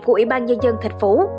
của ủy ban nhân dân thạch phú